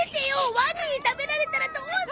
ワニに食べられたらどうす。